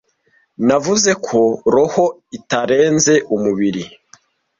Navuze ko roho itarenze umubiri,